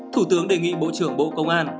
thủ tướng đề nghị bộ trưởng bộ công an